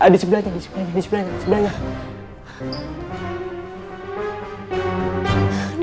di sebelah kan di sebelah kan